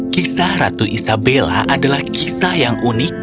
kisah ratu isabella adalah kisah yang unik